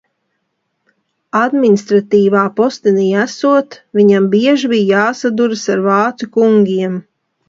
Administratīvā postenī esot, viņam bieži bija jāsaduras ar vācu kungiem.